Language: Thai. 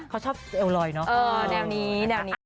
เขาชอบเอลลอยเนอะแนวนี้แนวนี้